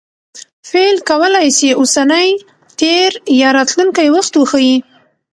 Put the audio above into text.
فعل کولای سي اوسنی، تېر یا راتلونکى وخت وښيي.